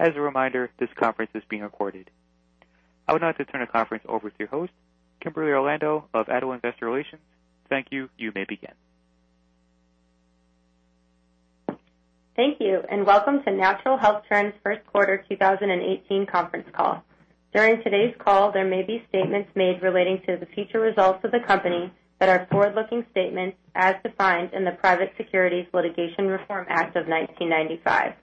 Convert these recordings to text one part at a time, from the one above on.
As a reminder, this conference is being recorded. I would now like to turn the conference over to your host, Kimberly Orlando of ADDO Investor Relations. Thank you. You may begin. Thank you. Welcome to Natural Health Trends' first quarter 2018 conference call. During today's call, there may be statements made relating to the future results of the company that are forward-looking statements as defined in the Private Securities Litigation Reform Act of 1995.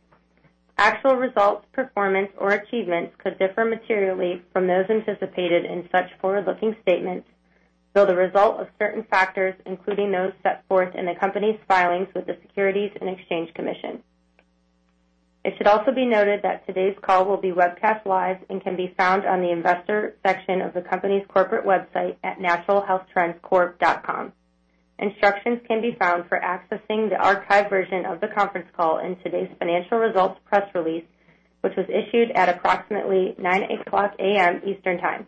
Actual results, performance, or achievements could differ materially from those anticipated in such forward-looking statements through the result of certain factors, including those set forth in the company's filings with the Securities and Exchange Commission. It should also be noted that today's call will be webcast live and can be found on the investor section of the company's corporate website at naturalhealthtrendscorp.com. Instructions can be found for accessing the archived version of the conference call in today's financial results press release, which was issued at approximately 9:00 A.M. Eastern Time.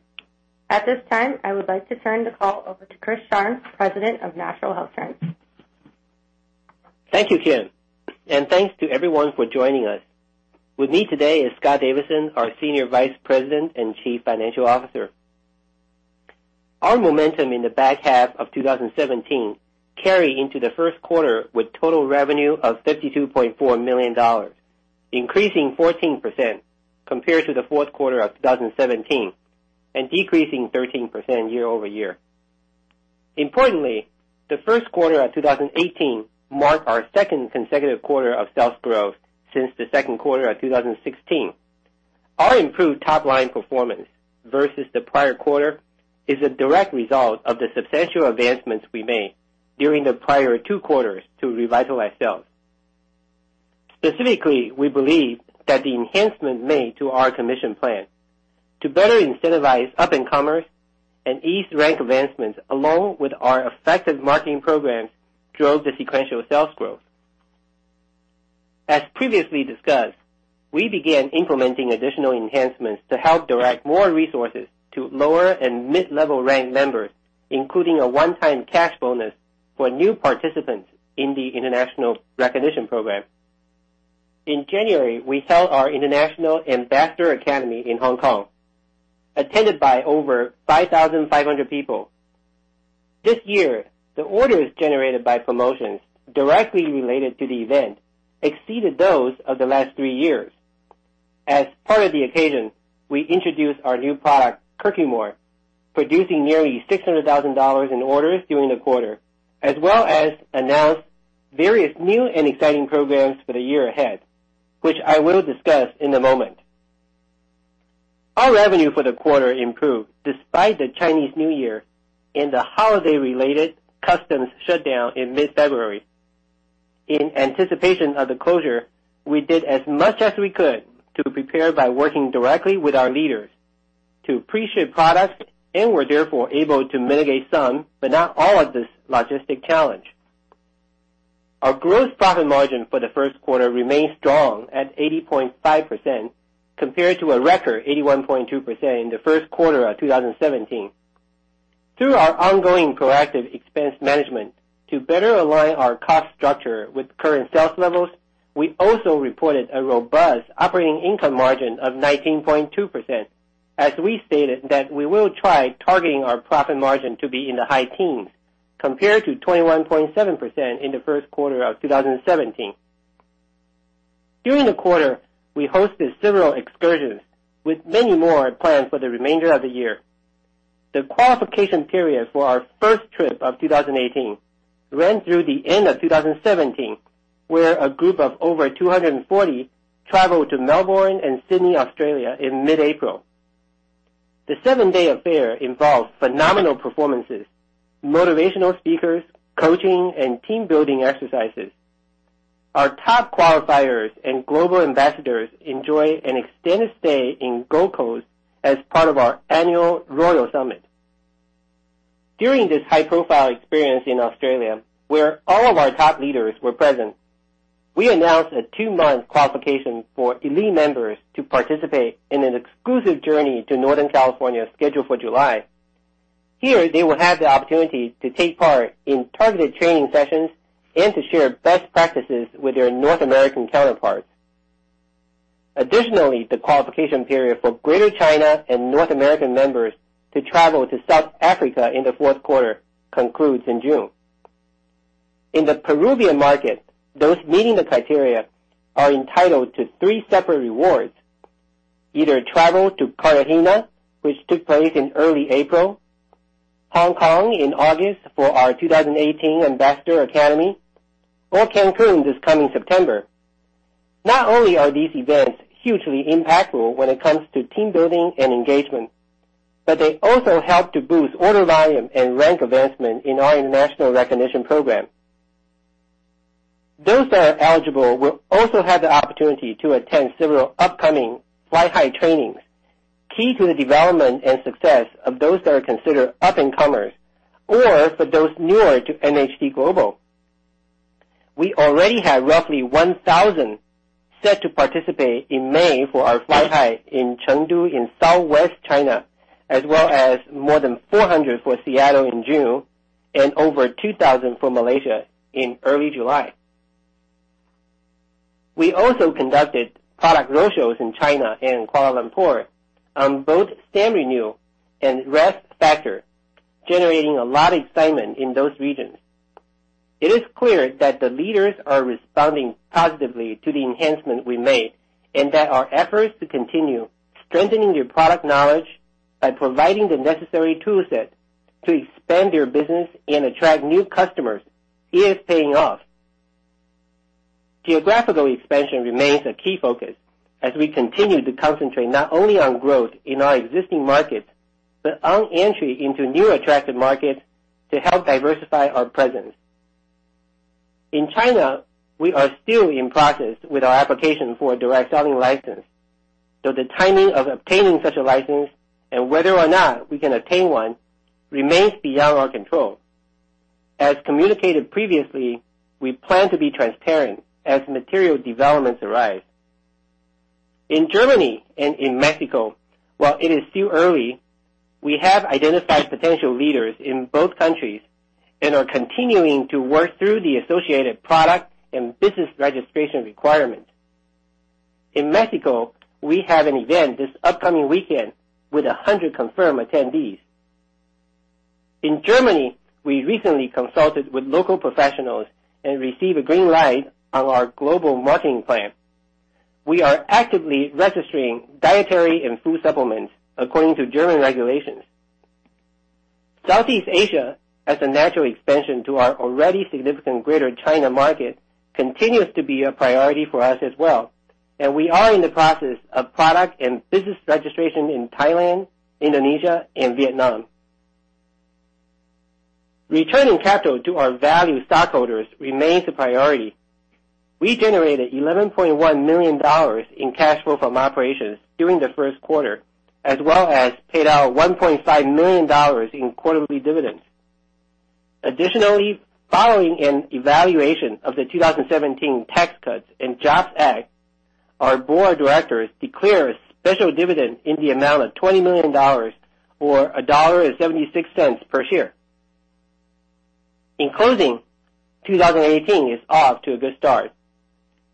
At this time, I would like to turn the call over to Chris Sharng, President of Natural Health Trends. Thank you, Kim. Thanks to everyone for joining us. With me today is Scott Davidson, our Senior Vice President and Chief Financial Officer. Our momentum in the back half of 2017 carried into the first quarter with total revenue of $52.4 million, increasing 14% compared to the fourth quarter of 2017 and decreasing 13% year-over-year. Importantly, the first quarter of 2018 marked our second consecutive quarter of sales growth since the second quarter of 2016. Our improved top-line performance versus the prior quarter is a direct result of the substantial advancements we made during the prior two quarters to revitalize sales. Specifically, we believe that the enhancements made to our commission plan to better incentivize up-and-comers and ease rank advancements along with our effective marketing programs drove the sequential sales growth. As previously discussed, we began implementing additional enhancements to help direct more resources to lower and mid-level rank members, including a one-time cash bonus for new participants in the International Recognition Program. In January, we held our International Ambassador Academy in Hong Kong, attended by over 5,500 people. This year, the orders generated by promotions directly related to the event exceeded those of the last three years. As part of the occasion, we introduced our new product, Curcumor, producing nearly $600,000 in orders during the quarter, as well as announced various new and exciting programs for the year ahead, which I will discuss in a moment. Our revenue for the quarter improved despite the Chinese New Year and the holiday-related customs shutdown in mid-February. In anticipation of the closure, we did as much as we could to prepare by working directly with our leaders to pre-ship products and were therefore able to mitigate some, but not all, of this logistic challenge. Our gross profit margin for the first quarter remained strong at 80.5% compared to a record 81.2% in the first quarter of 2017. Through our ongoing proactive expense management to better align our cost structure with current sales levels, we also reported a robust operating income margin of 19.2%, as we stated that we will try targeting our profit margin to be in the high teens compared to 21.7% in the first quarter of 2017. During the quarter, we hosted several excursions with many more plans for the remainder of the year. The qualification period for our first trip of 2018 ran through the end of 2017, where a group of over 240 traveled to Melbourne and Sydney, Australia in mid-April. The seven-day affair involved phenomenal performances, motivational speakers, coaching, and team-building exercises. Our top qualifiers and global ambassadors enjoy an extended stay in Gold Coast as part of our annual Royal Summit. During this high-profile experience in Australia, where all of our top leaders were present, we announced a two-month qualification for elite members to participate in an exclusive journey to Northern California scheduled for July. Here, they will have the opportunity to take part in targeted training sessions and to share best practices with their North American counterparts. Additionally, the qualification period for Greater China and North American members to travel to South Africa in the fourth quarter concludes in June. In the Peruvian market, those meeting the criteria are entitled to three separate rewards, either travel to Cartagena, which took place in early April, Hong Kong in August for our 2018 Ambassador Academy, or Cancun this coming September. Not only are these events hugely impactful when it comes to team building and engagement, but they also help to boost order volume and rank advancement in our International Recognition Program. Those that are eligible will also have the opportunity to attend several upcoming Fly High trainings, key to the development and success of those that are considered up-and-comers or for those newer to NHT Global. We already have roughly 1,000 set to participate in May for our Fly High in Chengdu in Southwest China, as well as more than 400 for Seattle in June. Over 2,000 for Malaysia in early July. We also conducted product roadshows in China and Kuala Lumpur on both StemRenu and ResVator, generating a lot of excitement in those regions. It is clear that the leaders are responding positively to the enhancement we made, and that our efforts to continue strengthening their product knowledge by providing the necessary tool set to expand their business and attract new customers is paying off. Geographical expansion remains a key focus as we continue to concentrate not only on growth in our existing markets, but on entry into new attractive markets to help diversify our presence. In China, we are still in process with our application for a direct selling license, so the timing of obtaining such a license and whether or not we can obtain one remains beyond our control. As communicated previously, we plan to be transparent as material developments arise. In Germany and in Mexico, while it is still early, we have identified potential leaders in both countries and are continuing to work through the associated product and business registration requirement. In Mexico, we have an event this upcoming weekend with 100 confirmed attendees. In Germany, we recently consulted with local professionals and received a green light on our global marketing plan. We are actively registering dietary and food supplements according to German regulations. Southeast Asia, as a natural expansion to our already significant Greater China market, continues to be a priority for us as well, and we are in the process of product and business registration in Thailand, Indonesia, and Vietnam. Returning capital to our value stockholders remains a priority. We generated $11.1 million in cash flow from operations during the first quarter, as well as paid out $1.5 million in quarterly dividends. Additionally, following an evaluation of the 2017 Tax Cuts and Jobs Act, our board of directors declared a special dividend in the amount of $20 million, or $1.76 per share. In closing, 2018 is off to a good start,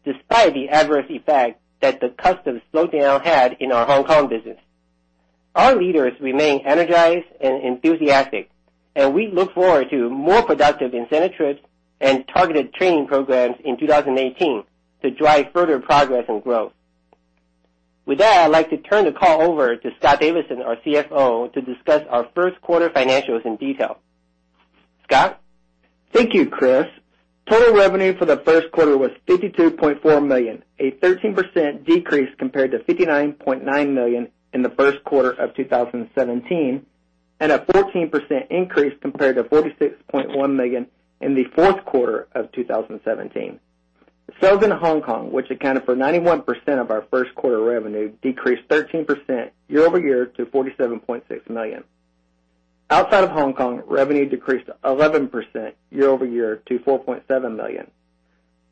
despite the adverse effect that the customs slowdown had in our Hong Kong business. Our leaders remain energized and enthusiastic, and we look forward to more productive incentive trips and targeted training programs in 2018 to drive further progress and growth. With that, I'd like to turn the call over to Scott Davidson, our CFO, to discuss our first quarter financials in detail. Scott? Thank you, Chris. Total revenue for the first quarter was $52.4 million, a 13% decrease compared to $59.9 million in the first quarter of 2017, and a 14% increase compared to $46.1 million in the fourth quarter of 2017. Sales in Hong Kong, which accounted for 91% of our first quarter revenue, decreased 13% year-over-year to $47.6 million. Outside of Hong Kong, revenue decreased 11% year-over-year to $4.7 million.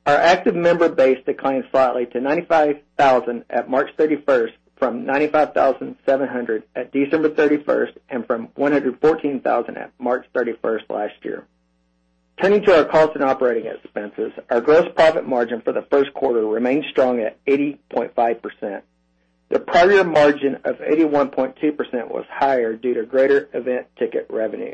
Our active member base declined slightly to 95,000 at March 31st, from 95,700 at December 31st, and from 114,000 at March 31st last year. Turning to our cost and operating expenses, our gross profit margin for the first quarter remained strong at 80.5%. The prior year margin of 81.2% was higher due to greater event ticket revenue.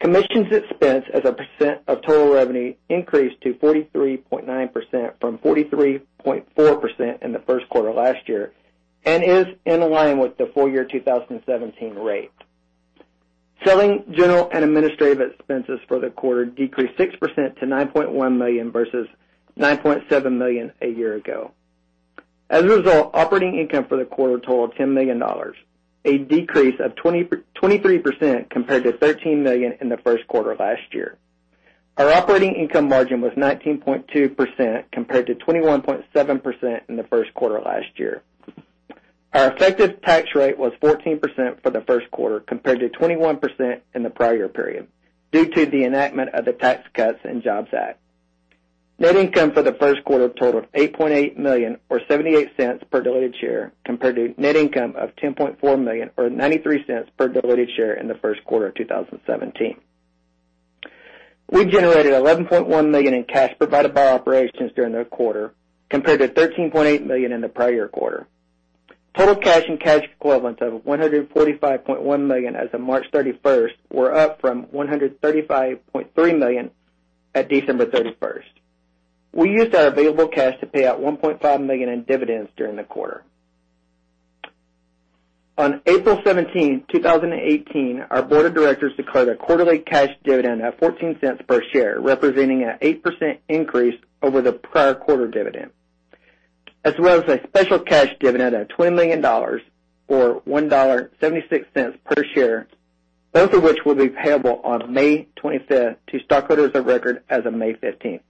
Commissions expense as a percent of total revenue increased to 43.9% from 43.4% in the first quarter last year, and is in line with the full year 2017 rate. Selling, general and administrative expenses for the quarter decreased 6% to $9.1 million versus $9.7 million a year ago. As a result, operating income for the quarter totaled $10 million, a decrease of 23% compared to $13 million in the first quarter last year. Our operating income margin was 19.2% compared to 21.7% in the first quarter last year. Our effective tax rate was 14% for the first quarter, compared to 21% in the prior period due to the enactment of the Tax Cuts and Jobs Act. Net income for the first quarter totaled $8.8 million, or $0.78 per diluted share, compared to net income of $10.4 million, or $0.93 per diluted share in the first quarter of 2017. We generated $11.1 million in cash provided by operations during the quarter, compared to $13.8 million in the prior year quarter. Total cash and cash equivalents of $145.1 million as of March 31st were up from $135.3 million at December 31st. We used our available cash to pay out $1.5 million in dividends during the quarter. On April 17th, 2018, our board of directors declared a quarterly cash dividend of $0.14 per share, representing an 8% increase over the prior quarter dividend, as well as a special cash dividend of $20 million, or $1.76 per share, both of which will be payable on May 25th to stockholders of record as of May 15th.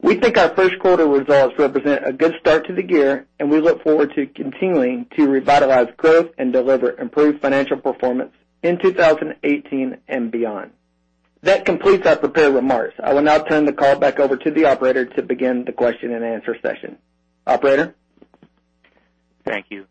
We think our first quarter results represent a good start to the year, we look forward to continuing to revitalize growth and deliver improved financial performance in 2018 and beyond. That completes our prepared remarks. I will now turn the call back over to the operator to begin the question and answer session. Operator? Thank you.